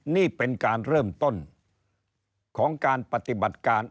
นี่เป็นการเริ่มต้นของการปฏิบัติการ